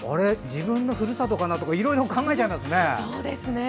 自分のふるさとかなとかいろいろ考えちゃいますね。